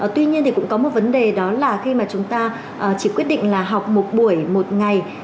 tuy nhiên thì cũng có một vấn đề đó là khi mà chúng ta chỉ quyết định là học một buổi một ngày